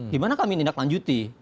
di mana kami tindak lanjuti